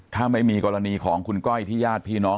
ถ้าไม่มีกรณีของคุณก้อยที่ญาติพี่น้อง